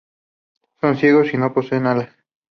Son ciegos y no poseen alas.